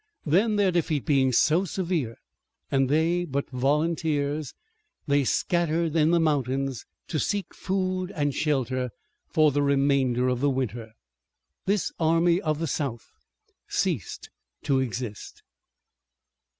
Then, their defeat being so severe, and they but volunteers, they scattered in the mountains to seek food and shelter for the remainder of the winter. This army of the South ceased to exist.